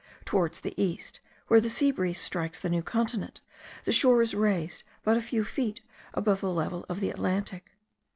Towards the east, where the sea breeze strikes the New Continent, the shore is raised but a few feet above the level of the Atlantic.